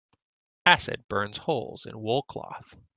Acid burns holes in wool cloth.